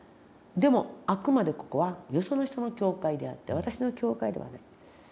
でもあくまでここはよその人の教会であって私の教会ではない。